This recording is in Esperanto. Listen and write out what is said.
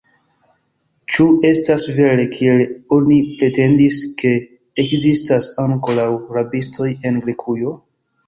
Ĉu estas vere, kiel oni pretendis, ke ekzistas ankoraŭ rabistoj en Grekujo?